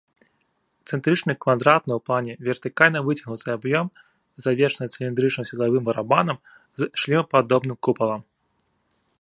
Цэнтрычны квадратны ў плане вертыкальна выцягнуты аб'ём завершаны цыліндрычным светлавым барабанам з шлемападобным купалам.